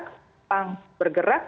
karena mereka sudah bergerak